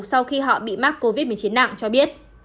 sau khi họ bị mắc covid một mươi chín nặng cho biết